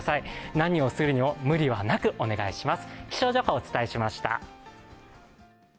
何をするにも無理はなくお願いします。